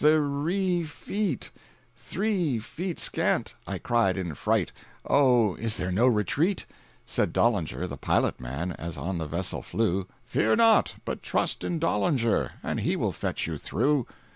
—t h r e e feet!—Three feet scant!" I cried in fright "Oh, is there no retreat?" Said Dollinger, the pilot man, As on the vessel flew, "Fear not, but trust in Dollinger, And he will fetch you through."